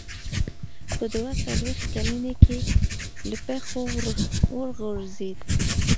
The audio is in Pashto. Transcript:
په دوه څلوېښت کلنۍ کې له پښو وغورځېد.